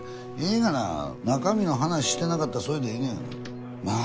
がな中身の話してなかったらそれでええねんまあ